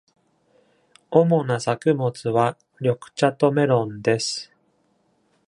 主な作物は緑茶とメロンです。